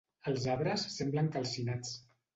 Els arbres semblen calcinats.